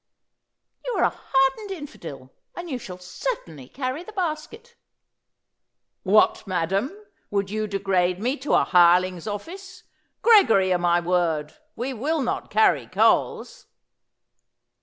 ' You are a hardened infidel, and you shall certainly carry the basket.' ' What, madam, would you degrade me to a hireling's office ?" Gregory, o' my wqrd, we'll not carry coals."